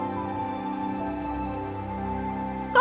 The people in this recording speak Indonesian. empat puluh sembilan